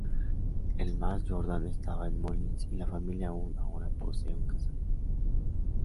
El mas Jordán estaba en Molins y la familia aún ahora posee un casal.